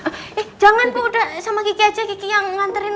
eh jangan kok udah sama kiki aja kiki yang nganterin